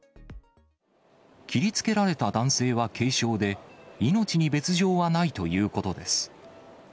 切りつけられた男性は軽傷で、命に別状はないということです。